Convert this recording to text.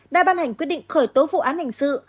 đã ban hành quyết định khởi tố vụ án hình sự